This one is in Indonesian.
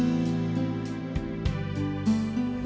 tidak ada yang nanggung resiko